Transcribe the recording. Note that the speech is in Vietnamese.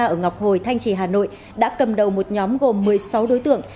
ở ngọc hồi thanh trì hà nội đã cầm đầu một nhóm gồm một mươi sáu đối tượng